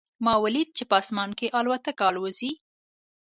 ما ولیدل چې په اسمان کې الوتکه الوزي